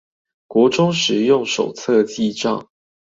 國中時用手冊記帳